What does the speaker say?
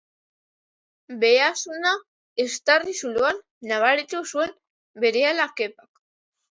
Behazuna eztarri zuloan nabaritu zuen berehala Kepak.